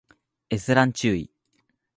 閲覧注意